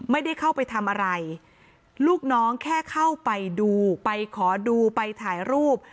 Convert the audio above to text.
ไม่ได้เข้าไปทำอะไรลูกน้องแค่เข้าไปดูไปขอดูไปถ่ายรูป